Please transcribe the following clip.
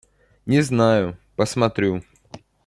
Не знаю... посмотрю.